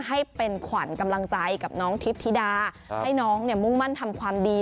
ให้เป็นขวัญกำลังใจกับน้องทิพธิดาให้น้องมุ่งมั่นทำความดี